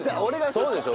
そうでしょ？